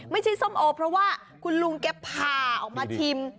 ส้มโอเพราะว่าคุณลุงแกผ่าออกมาชิม